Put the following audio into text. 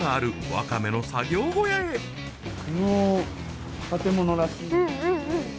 この建物らしい。